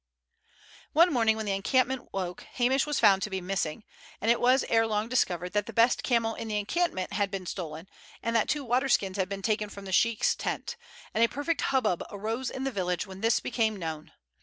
One morning when the encampment woke Hamish was found to be missing, and it was ere long discovered that the best camel in the encampment had been stolen, and that two water skins had been taken from the sheik's tent, and a perfect hubbub arose in the village when this became known.